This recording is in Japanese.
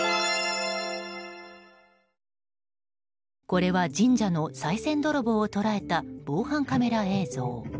これは神社のさい銭泥棒を捉えた防犯カメラ映像。